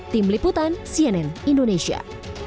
tim liputan cnn indonesia